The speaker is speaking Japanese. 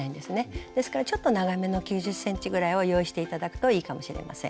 ですからちょっと長めの９０ｃｍぐらいを用意して頂くといいかもしれません。